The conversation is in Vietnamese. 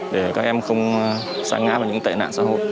để các em không xa ngã vào những tệ nạn xã hội